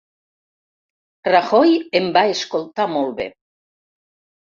Rajoy em va escoltar molt bé.